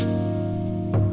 sini kita mulai mencoba